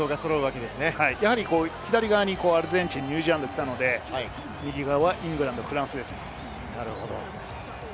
左側にアルゼンチン、ニュージーランドときたので、右側はイングランドとフランスですね。